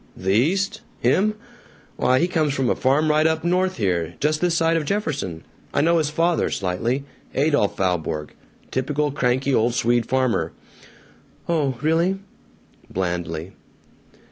"The East? Him? Why, he comes from a farm right up north here, just this side of Jefferson. I know his father slightly Adolph Valborg typical cranky old Swede farmer." "Oh, really?" blandly.